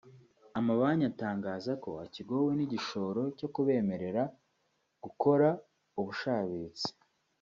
Amabanki atangaza ko akigowe n’igishoro cyo kubemerera gukora ubushabitsi (Business)